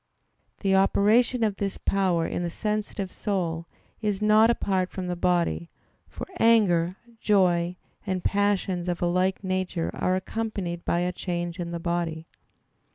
The operation of this power in the sensitive soul is not apart from the body; for anger, joy, and passions of a like nature are accompanied by a change in the body.